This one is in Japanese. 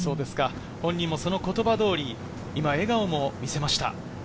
本人もその言葉通り、今、笑顔も見せました。